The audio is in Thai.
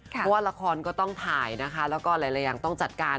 เพราะว่าละครก็ต้องถ่ายนะคะแล้วก็หลายอย่างต้องจัดการ